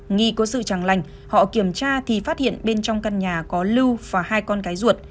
nghi có sự chẳng lành họ kiểm tra thì phát hiện bên trong căn nhà có lưu và hai con gái ruột